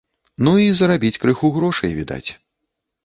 Ну, і зарабіць крыху грошай, відаць.